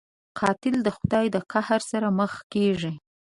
قاتل د خدای د قهر سره مخ کېږي